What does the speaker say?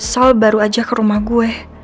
sol baru aja ke rumah gue